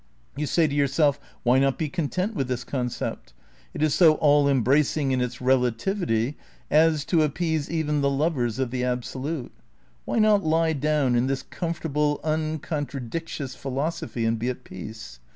You say to yourself, Why not be content with this concept? It is so all embracing in its relativity as to appease even the lovers of the Absolute. Why not lie down in this comfortable, uncontradictious philosophy and be at peace